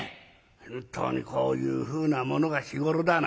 本当にこういうふうなものが。